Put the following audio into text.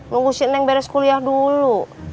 nunggu si neng beres kuliah dulu